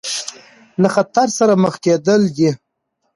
له خطر سره مخ کېدل دي.